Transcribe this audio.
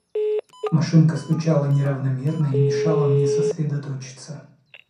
Машинка стучала неравномерно и мешала мне сосредоточиться.